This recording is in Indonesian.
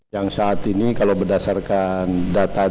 yang saat ini kalau berdasarkan data